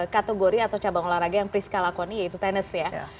kategori atau cabang olahraga yang priska lakoni yaitu tenis ya